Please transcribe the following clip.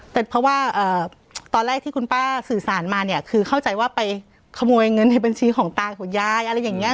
แต่เพราะว่าตอนแรกที่คุณป้าสื่อสารมาเนี่ยคือเข้าใจว่าไปขโมยเงินในบัญชีของตาของยายอะไรอย่างนี้